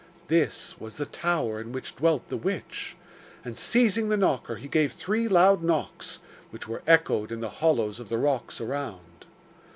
This was the tower in which dwelt the witch; and seizing the knocker he gave three loud knocks, which were echoed in the hollows of the rocks around.